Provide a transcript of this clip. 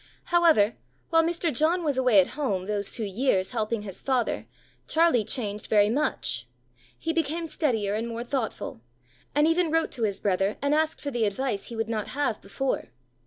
However, while Mr. John was away at home those two years helping his father, Charlie changed very much. He became steadier and more thoughtful, and even wrote to his brother, and asked for the advice he would not have before.